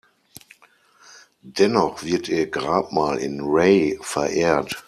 Dennoch wird ihr Grabmal in Rey verehrt.